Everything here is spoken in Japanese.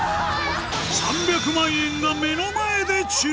３００万円が目の前で散る！